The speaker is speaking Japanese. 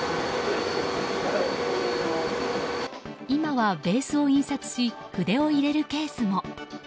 今はベースを印刷し筆を入れるケースも。